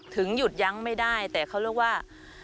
หยุดยั้งไม่ได้แต่เขาเรียกว่า